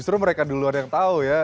justru mereka duluan yang tahu ya